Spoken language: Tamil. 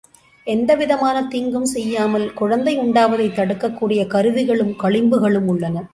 எந்தவிதமான தீங்கும் செய்யாமல் குழந்தை உண்டாவதைத் தடுக்கக் கூடிய கருவிகளும் களிம்புகளும் உள்ளன.